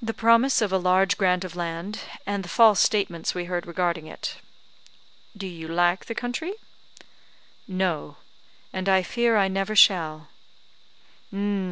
"The promise of a large grant of land, and the false statements we heard regarding it." "Do you like the country?" "No; and I fear I never shall."